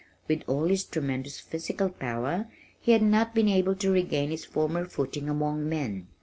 With all his tremendous physical power he had not been able to regain his former footing among men.